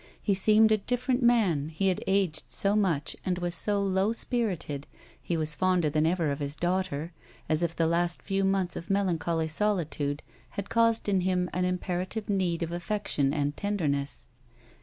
He seemed a different man, he had aged so much and was so low spirited ; he was fonder than ever of 176 A WOMAN'S LIFE. his daughter, as if the last few months of melancholj solitude had caused in him an imperative deed of affection and tenderness.